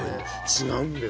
違うんですよ。